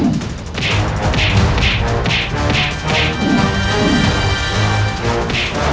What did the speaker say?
aku akan menangkapmu